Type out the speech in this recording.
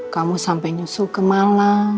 kamu sampai nyusul ke malang